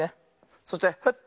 そしてフッ。